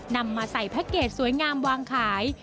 นำมาใส่แพ็คเกจสวยงามวางขาย